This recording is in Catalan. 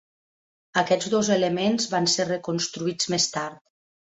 Aquests dos elements van ser reconstruïts més tard.